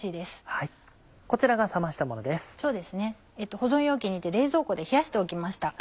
保存容器に入れて冷蔵庫で冷やしておきました。